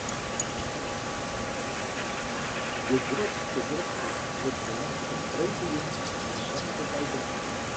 De grutste drokte wurdt ferwachte op freedtejûn en saterdeitemoarn.